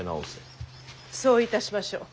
そういたしましょう。